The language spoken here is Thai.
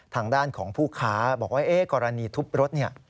ทางด้านของผู้ค้าบอกว่ากรณีทุบรถเนี่ย